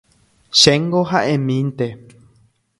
Chéngo ha'emínte